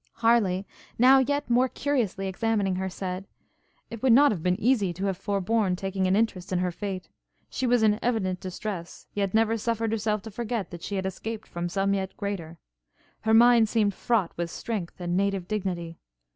Harleigh, now, yet more curiously examining her, said, 'It would not have been easy to have forborne taking an interest in her fate. She was in evident distress, yet never suffered herself to forget that she had escaped from some yet greater. Her mind seemed fraught with strength and native dignity.